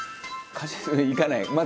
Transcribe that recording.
いかない。